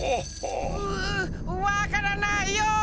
うわからないよ。